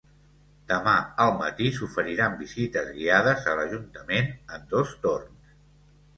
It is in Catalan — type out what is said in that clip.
Demà al matí s’oferiran visites guiades a l’ajuntament en dos torns.